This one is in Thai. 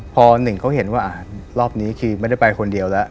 พอหนึ่งเขาเห็นว่ารอบนี้คือไม่ได้ไปคนเดียวแล้ว